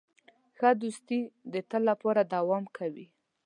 ښه دوستي د تل لپاره دوام کوي.